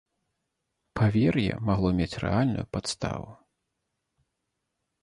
Павер'е магло мець рэальную падставу.